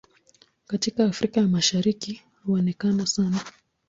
Katika Afrika ya Mashariki huonekana sana.